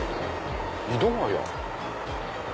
井土ヶ谷？